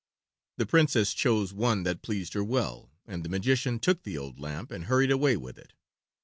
The Princess chose one that pleased her well, and the magician took the old lamp and hurried away with it.